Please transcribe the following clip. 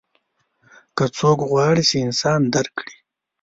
که څوک غواړي چې انسان درک کړي.